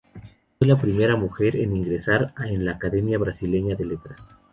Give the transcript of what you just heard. Fue la primera mujer en ingresar en la Academia Brasileña de Letras.